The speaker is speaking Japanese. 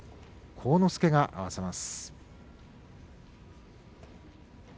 晃之助が合わせます。